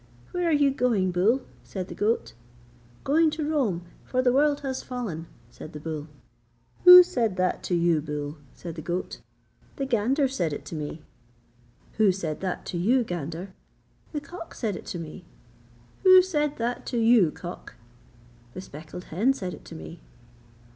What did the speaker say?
'Where are you going, bull?' said the goat. 'Going to Rome, for the world has fallen,' said the bull. 'Who said that to you, bull?' said the goat. 'The gander said it to me.' 'Who said that to you, gander?' 'The cock said it to me.' 'Who said that to you, cock?' 'The speckled hen said it to me.'